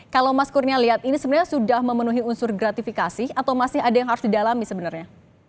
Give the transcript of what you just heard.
kalau mas kurnia lihat ini sebenarnya sudah memenuhi unsur gratifikasi atau masih ada yang harus didalami sebenarnya